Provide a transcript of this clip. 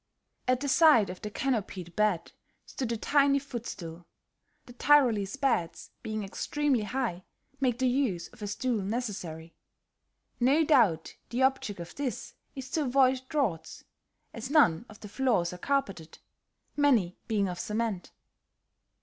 At the side of the canopied bed stood a tiny foot stool: the Tyrolese beds being extremely high make the use of a stool necessary. No doubt the object of this is to avoid draughts, as none of the floors are carpeted, many being of cement.